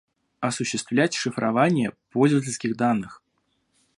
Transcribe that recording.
Осуществлять шифрование пользовательских данных